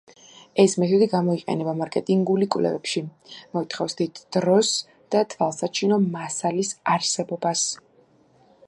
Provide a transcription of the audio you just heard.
ეს მეთოდი გამოიყენება მარკეტინგული კვლევებში, მოითხოვს დიდ დროს და „თვალსაჩინო მასალის“ არსებობას.